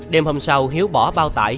đêm hôm sau hiếu bỏ bao tải